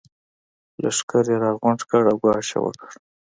لښکر يې راغونډ کړ او ګواښ يې وکړ.